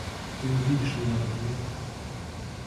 Ты увидишь меня в окне.